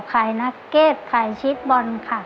นักเก็ตขายชีสบอลค่ะ